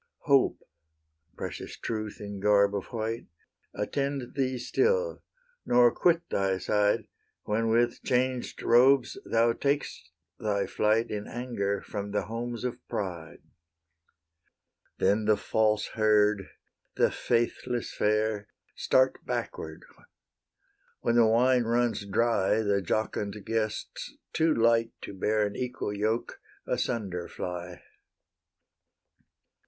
Hope, precious Truth in garb of white, Attend thee still, nor quit thy side When with changed robes thou tak'st thy flight In anger from the homes of pride. Then the false herd, the faithless fair, Start backward; when the wine runs dry, The jocund guests, too light to bear An equal yoke, asunder fly.